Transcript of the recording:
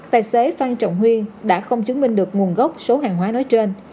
tài xế phan trọng huy đã không chứng minh được nguồn gốc số hàng hóa nói trên